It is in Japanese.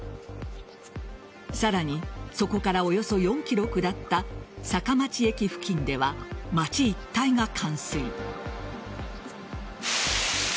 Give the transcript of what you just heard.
さらに、そこからおよそ４ｋｍ下った坂町駅付近では町一帯が冠水。